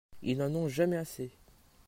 Ils n'en ont jamais assez.